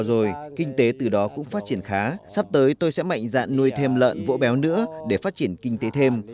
năm vừa rồi gia đình tôi cũng phát triển khá sắp tới tôi sẽ mạnh dạn nuôi thêm lợn vỗ béo nữa để phát triển kinh tế thêm